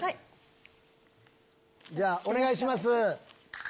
じゃあお願いします。